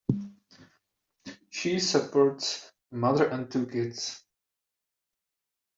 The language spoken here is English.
She supports a mother and two kids.